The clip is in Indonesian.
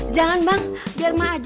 jangan bang biar mah aja